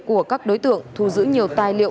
của các đối tượng thu giữ nhiều tài liệu